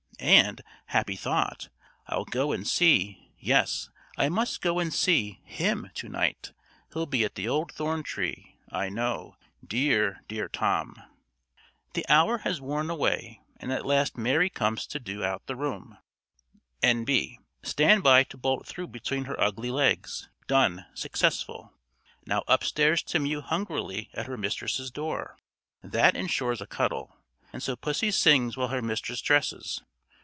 And, happy thought, I'll go and see yes, I must go and see him to night; he'll be at the old thorn tree, I know, dear, dear, Tom." The hour has worn away, and at last Mary comes to "do out the room." "N.B. Stand by to bolt through between her ugly legs. Done successful." Now upstairs to mew hungrily at her mistress's door that ensures a cuddle; and so pussy sings while her mistress dresses.